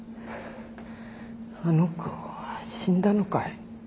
あの子は死んだのかい？